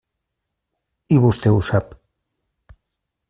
I vostè ho sap.